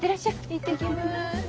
行ってきます。